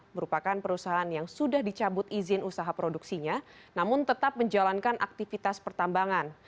merupakan perusahaan yang sudah dicabut izin usaha produksinya namun tetap menjalankan aktivitas pertambangan